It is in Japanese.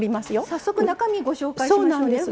早速、中身をご紹介しましょう。